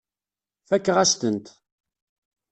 Fakeɣ-as-tent.